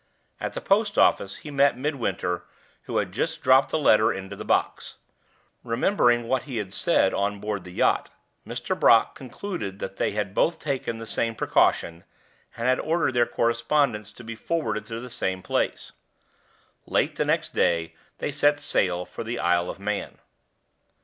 At the post office he met Midwinter, who had just dropped a letter into the box. Remembering what he had said on board the yacht, Mr. Brock concluded that they had both taken the same precaution, and had ordered their correspondence to be forwarded to the same place. Late the next day they set sail for the Isle of Man.